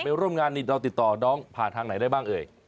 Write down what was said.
ร่วมงานนี่เราติดต่อน้องผ่านทางไหนได้บ้างเอ่ย